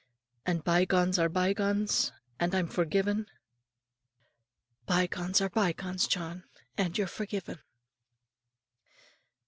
"And bye gones are bye gones; and I'm forgiven?" "Bye gones are bye gones, John; and you're forgiven."